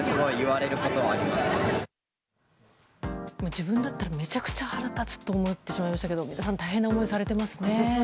自分だったら、めちゃくちゃ腹立つと思ってしまいましたけど皆さん大変な思いされていますね。